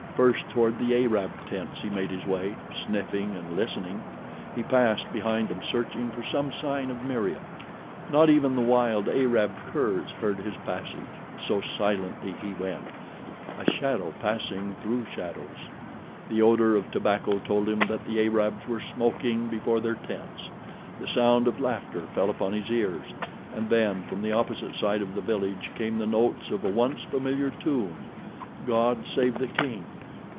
First toward the Arab tents he made his way, sniffing and listening. He passed behind them searching for some sign of Meriem. Not even the wild Arab curs heard his passage, so silently he went—a shadow passing through shadows. The odor of tobacco told him that the Arabs were smoking before their tents. The sound of laughter fell upon his ears, and then from the opposite side of the village came the notes of a once familiar tune: God Save the King.